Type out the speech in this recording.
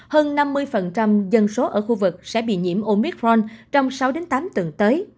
hơn năm mươi dân số ở khu vực sẽ bị nhiễm omicron trong sáu đến tám tuần tới